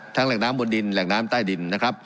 แหล่งน้ำบนดินแหล่งน้ำใต้ดินนะครับ